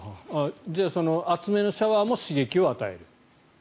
じゃあ、熱めのシャワーも刺激を与える？